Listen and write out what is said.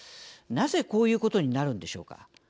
なぜこういうことになるんでしょうか。